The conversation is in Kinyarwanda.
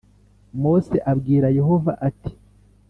Mose Abwira Yehova Ati